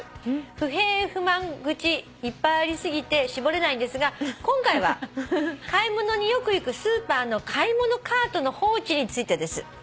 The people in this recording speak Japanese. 「不平不満愚痴」「いっぱいあり過ぎて絞れないんですが今回は買い物によく行くスーパーの買い物カートの放置についてです」